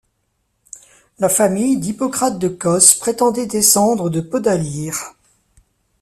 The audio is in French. La famille d’Hippocrate de Cos prétendait descendre de Podalire.